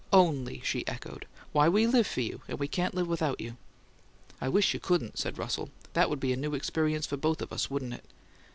"'Only!'" she echoed. "Why, we live for you, and we can't live without you." "I wish you couldn't," said Russell. "That would be a new experience for both of us, wouldn't it?"